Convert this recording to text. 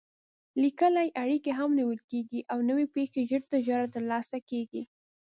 لیکلې اړیکې هم نیول کېږي او نوې پېښې ژر تر ژره ترلاسه کېږي.